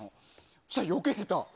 そうしたらよけれた。